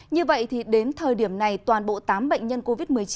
như vậy đến thời điểm này toàn bộ tám bệnh nhân covid một mươi chín